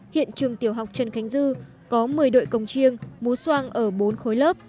hiện trường tiểu học trần khánh dư có một mươi đội cồng chiêng mối soan ở bốn khối lớp